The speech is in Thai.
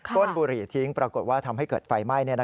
้นบุหรี่ทิ้งปรากฏว่าทำให้เกิดไฟไหม้